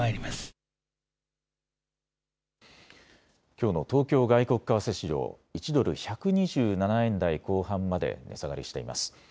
きょうの東京外国為替市場、１ドル１２７円台後半まで値下がりしています。